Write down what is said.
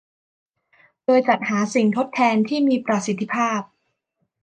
โดยจัดหาสิ่งทดแทนที่มีประสิทธิภาพ